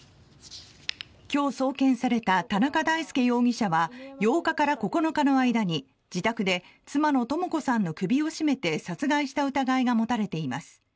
今日、送検された田中大介容疑者は８日から９日の間に自宅で妻の智子さんの首を絞めて殺害した疑いが持たれています。